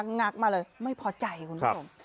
งักมาเลยไม่พอใจคุณผู้ชม